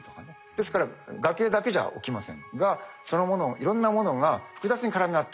ですから崖だけじゃ起きませんがそのものいろんなものが複雑に絡み合ってる。